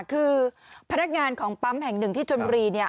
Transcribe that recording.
คือพนักงานของปั๊มแห่งหนึ่งที่ชนบุรีเนี่ย